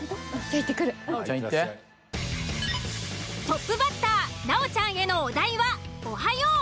トップバッター奈緒ちゃんへのお題は「おはよう」。